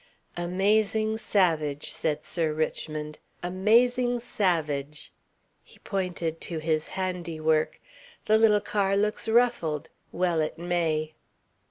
"Amazing savage," said Sir Richmond. "Amazing savage!" He pointed to his handiwork. "The little car looks ruffled. Well it may."